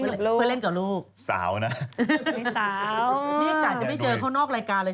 ในก็ลูกเพื่อเล่นเก่าลูกสาวนะสาวงี้อาจจะไม่เจอเขาออกรายการเลย